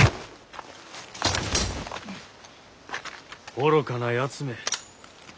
愚かなやつめ。